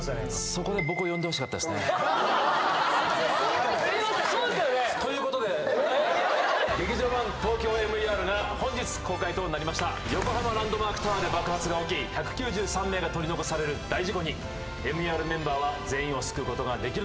そこですいませんそうですよねということで劇場版「ＴＯＫＹＯＭＥＲ」が本日公開となりました横浜・ランドマークタワーで爆発が起き１９３名が取り残される大事故にＭＥＲメンバーは全員を救うことができるのか？